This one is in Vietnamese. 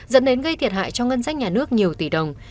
dẫn đến gây thiệt hại cho ngân sách nhà nước nhiều tỷ đồng